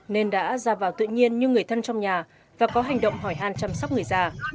nên đã ra vào tự nhiên như người thân trong nhà và có hành động hỏi hàn chăm sóc người già